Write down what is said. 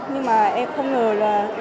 nhưng mà em không ngờ là